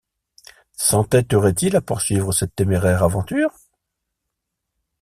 S’entêterait-il à poursuivre cette téméraire aventure?